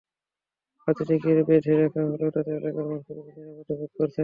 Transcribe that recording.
হাতিটিকে বেঁধে রাখা হলেও তাতে এলাকার মানুষ পুরোপুরি নিরাপদ বোধ করছে না।